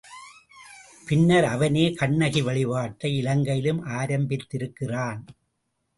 பின்னர் அவனே கண்ணகி வழிபாட்டை இலங்கையிலும் ஆரம்பித்திருக்கிறான்.